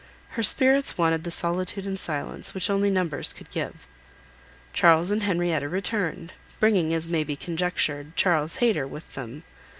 Her spirits wanted the solitude and silence which only numbers could give. Charles and Henrietta returned, bringing, as may be conjectured, Charles Hayter with them.